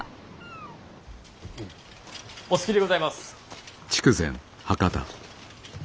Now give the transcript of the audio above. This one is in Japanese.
お着きでございます。